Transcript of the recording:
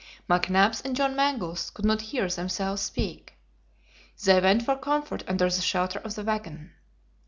McNabbs and John Mangles could not hear themselves speak. They went for comfort under the shelter of the wagon.